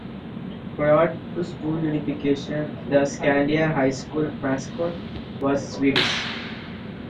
Prior to school unification, the Scandia High School mascot was Swedes.